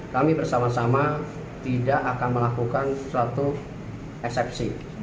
kami bersama sama tidak akan melakukan suatu eksepsi